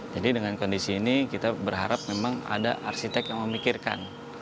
dengan kondisi ini kita berharap memang ada arsitek yang memikirkan